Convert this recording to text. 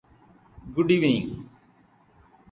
good evening